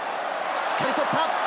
しっかり取った。